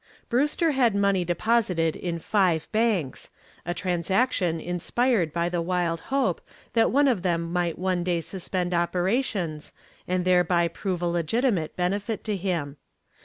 Brewster had money deposited in five banks, a transaction inspired by the wild hope that one of them might some day suspend operations and thereby prove a legitimate benefit to him.